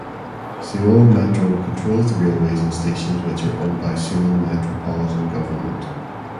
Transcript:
Seoul Metro controls the railways and stations which are owned by Seoul Metropolitan Government.